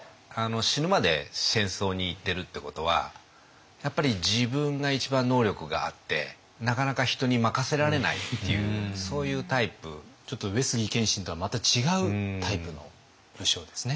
死ぬまで戦争に行ってるってことはやっぱり自分が一番能力があってなかなかちょっと上杉謙信とはまた違うタイプの武将ですね。